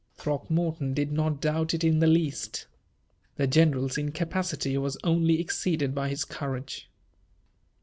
Throckmorton did not doubt it in the least. The general's incapacity was only exceeded by his courage.